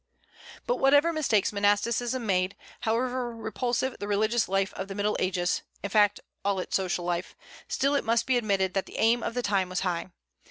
But whatever mistakes monasticism made, however repulsive the religious life of the Middle Ages, in fact, all its social life, still it must be admitted that the aim of the time was high.